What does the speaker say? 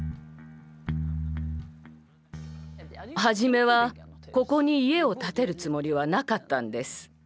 はじめはここに家を建てるつもりはなかったんです。